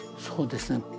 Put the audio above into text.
そうですね。